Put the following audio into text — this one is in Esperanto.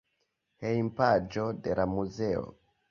Hejmpaĝo de la muzeo.